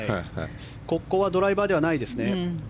ここはドライバーではないですね。